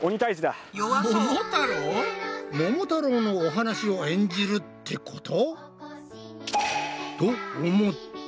桃太郎のお話を演じるってこと？